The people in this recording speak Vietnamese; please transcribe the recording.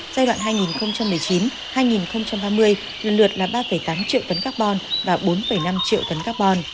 giai đoạn hai nghìn một mươi chín hai nghìn ba mươi lần lượt là ba tám triệu tấn carbon và bốn năm triệu tấn carbon